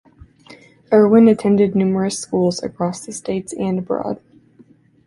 Irwin attended numerous schools across the states and abroad.